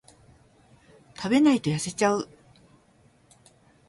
食べないと痩せちゃう